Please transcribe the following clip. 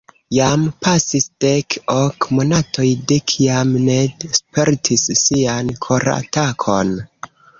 Jam pasis dek ok monatoj de kiam Ned spertis sian koratakon.